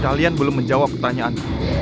kalian belum menjawab pertanyaan